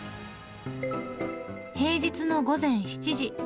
平日の午前７時。